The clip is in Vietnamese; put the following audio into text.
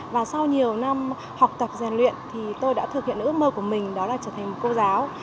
và sau nhiều năm học tập giàn luyện tôi đã thực hiện ước mơ của mình đó là trở thành một cô giáo